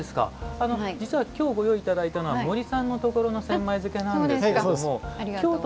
実は今日ご用意いただいたのは森さんのところの千枚漬なんですけども、京都